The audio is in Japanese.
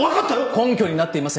根拠になっていません。